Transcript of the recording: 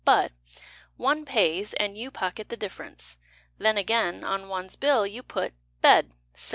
But One pays, And you pocket the difference. Then, again, on one's bill You put Bed, 7s.